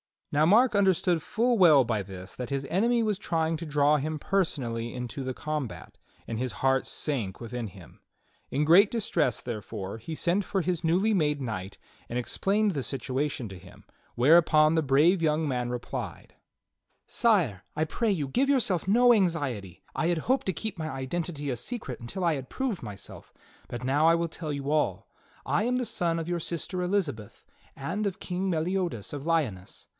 Now Mark understood full well by this that his enemy was try ing to draw him personally into the combat, and his heart sank within him. In great distress, therefore, he sent for his newly made knight and explained the situation to him, whereupon the brave young man replied: TRISTRAM, THE FOREST KNIGHT 67 "Sire, I pray you, give yourself no anxiety. I had hoped to keep my identity a secret until I had proved myself; but now I will tell you all. I am the son of your sister Elizabeth and of King Meli odas of Lyoness.